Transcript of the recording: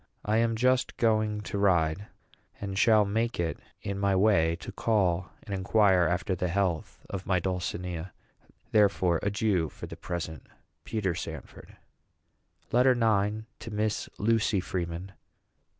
I am just going to ride, and shall make it in my way to call and inquire after the health of my dulcinea. Therefore, adieu for the present. PETER SANFORD. LETTER IX. TO MISS LUCY FREEMAN.